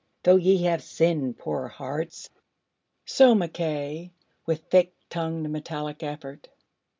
though ye have sinned, poor hearts ...'So Mackay, with thick tongued metallic effort.